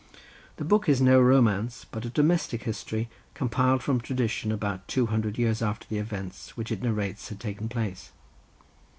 The book is no romance, but a domestic history compiled from tradition about two hundred years after the events which it narrates had taken place.